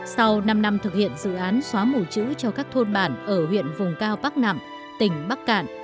sau năm năm thực hiện dự án xóa mù chữ cho các thôn bản ở huyện vùng cao bắc nặng tỉnh bắc cạn